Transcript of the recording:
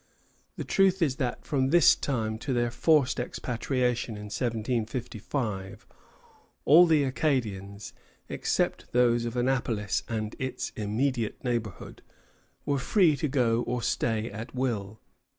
The truth is that from this time to their forced expatriation in 1755, all the Acadians, except those of Annapolis and its immediate neighborhood, were free to go or stay at will.